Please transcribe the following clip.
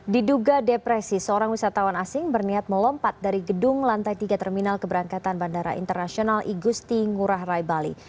diduga depresi seorang wisatawan asing berniat melompat dari gedung lantai tiga terminal keberangkatan bandara internasional igusti ngurah rai bali